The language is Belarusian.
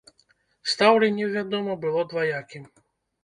Стаўленне, вядома, было дваякім.